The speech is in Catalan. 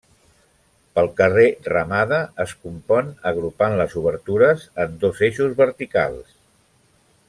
Pel carrer Ramada es compon agrupant les obertures en dos eixos verticals.